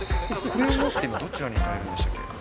これを持って、今、どちらに行かれるんでしたっけ？